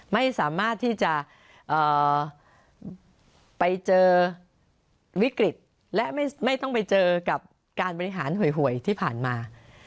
ไม่สามารถที่จะไปเจอวิกฤตและไม่ต้องไปเจอกับการบริหารหวยที่ผ่านมา